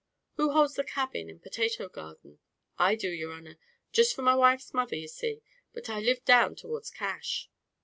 "Who holds the cabin and potato garden?" "I do, your honer, jist for my wife's mother, ye see; but I live down towards Cash."